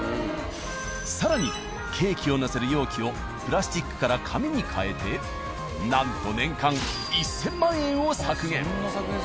更にケーキをのせる容器をプラスチックから紙に替えてなんと年間１０００万円を削減。